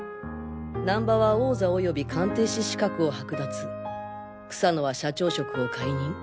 難波は王座及び鑑定士資格を剥奪草野は社長職を解任。